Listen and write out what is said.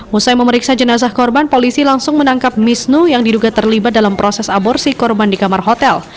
mulai memeriksa jenazah korban polisi langsung menangkap misnu yang diduga terlibat dalam proses aborsi korban di kamar hotel